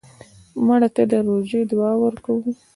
مړه ته د روژې دعا ورکوو